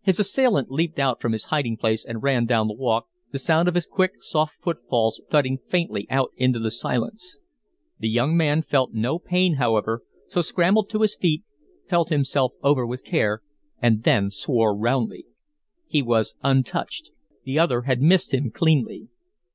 His assailant leaped out from his hiding place and ran down the walk, the sound of his quick, soft footfalls thudding faintly out into the silence. The young man felt no pain, however, so scrambled to his feet, felt himself over with care, and then swore roundly. He was untouched; the other had missed him cleanly.